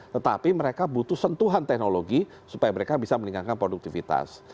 tetapi mereka butuh sentuhan teknologi supaya mereka bisa meningkatkan produktivitas